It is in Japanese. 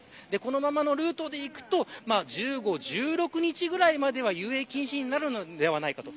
このままのルートでいくと１５、１６日くらいまでは遊泳禁止になるのではないかと。